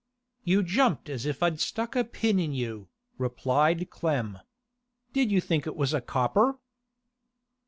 'You jumped as if I'd stuck a pin in you,' replied Clem. 'Did you think it was a copper?